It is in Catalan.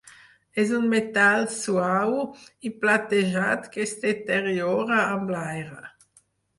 És un metall suau i platejat que es deteriora amb l'aire.